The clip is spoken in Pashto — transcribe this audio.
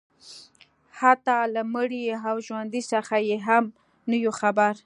حتی له مړي او ژوندي څخه یې هم نه یو خبر